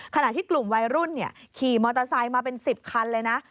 ขณะที่กลุ่มวัยรุ่นขี่มอเตอร์ไซค์มาเป็น๑๐คันเลยนะ